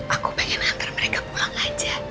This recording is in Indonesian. aku pengen agar mereka pulang aja